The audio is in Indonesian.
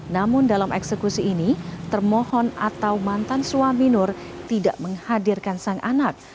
namun dalam eksekusi ini termohon atau mantan suami nur tidak menghadirkan sang anak